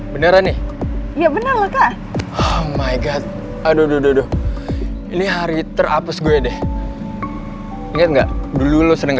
beneran nih ya bener oh my god aduh ini hari terhapus gue deh ngerti nggak dulu lo sedang